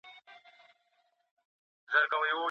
دا غږ د ده د ژوند تر ټولو پټه ناره وه.